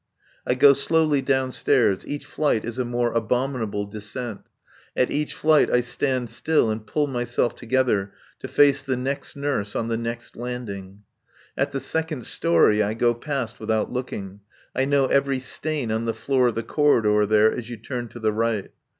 I go slowly downstairs. Each flight is a more abominable descent. At each flight I stand still and pull myself together to face the next nurse on the next landing. At the second story I go past without looking. I know every stain on the floor of the corridor there as you turn to the right.